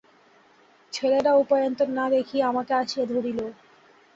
ছেলেরা উপায়ান্তর না দেখিয়া আমাকে আসিয়া ধরিল।